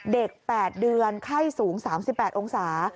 ๘เดือนไข้สูง๓๘องศา